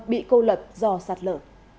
bị cô lập do sạt lở